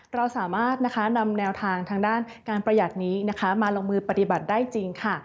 เราสามารถนำแนวทางทางด้านการประหยัดนี้นะคะมาลงมือปฏิบัติได้จริงค่ะ